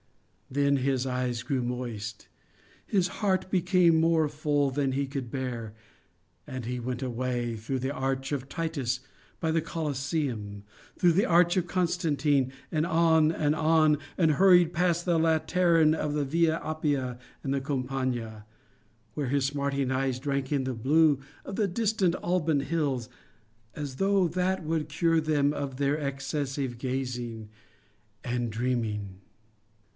Then his eyes grew moist, his heart became more full than he could bear and he went away, through the Arch of Titus by the Colosseum, through the Arch of Constantine, on and on, and hurried past the Lateran to the Via Appia and the Campagna, where his smarting eyes drank in the blue of the distant Alban Hills, as though that would cure them of their excessive gazing and dreaming....